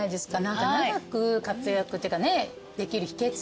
長く活躍っていうかねできる秘訣みたいな。